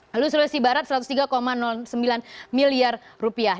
lalu sulawesi barat satu ratus tiga sembilan miliar rupiah